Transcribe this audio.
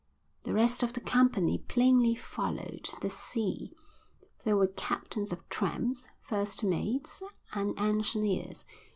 The rest of the company plainly followed the sea; they were captains of tramps, first mates, and engineers.